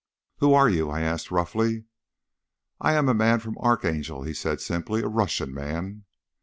"Who are you?" I asked roughly. "I am a man from Archangel," he said simply; "a Russian man."